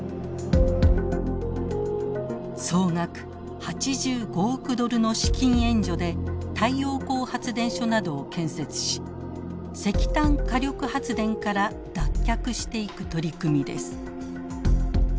総額８５億ドルの資金援助で太陽光発電所などを建設し石炭火力発電から脱却していく取り組みです。